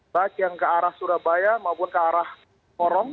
bahkan yang ke arah surabaya maupun ke arah korom